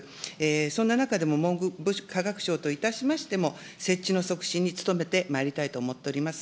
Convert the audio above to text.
そんな中でも文部科学省といたしましても、設置の促進に努めてまいりたいと思っております。